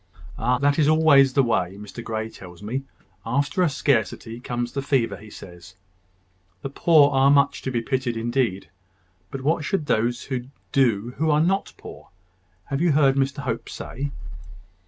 "Ah! that is always the way, Mr Grey tells me. After a scarcity comes the fever, he says. The poor are much to be pitied indeed. But what should those do who are not poor, have you heard Mr Hope say?"